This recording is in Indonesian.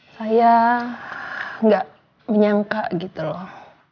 saya nggak menyangka gitu loh